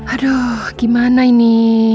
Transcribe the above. aduh gimana ini